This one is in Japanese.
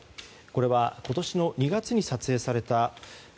これは今年の２月に撮影された「ＫＡＺＵ１」